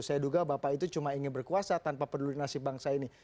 saya duga bapak itu cuma ingin berkuasa tanpa peduli nasib bangsa ini